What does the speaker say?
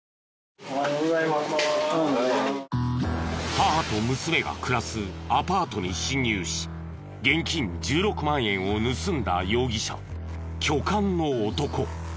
母と娘が暮らすアパートに侵入し現金１６万円を盗んだ容疑者巨漢の男。